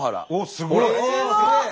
すごい！